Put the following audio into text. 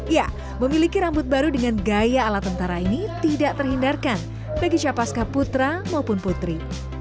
ya memiliki rambut baru dengan gaya ala tentara ini tidak terhindarkan bagi capaska putra maupun putri